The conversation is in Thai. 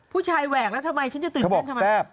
ผู้ชายแหวกแล้วทำไมฉันจะตื่นเต้นทำไมเขาบอกแซ่บ